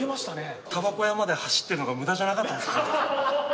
たばこ屋まで走ってるのが無駄じゃなかったですね。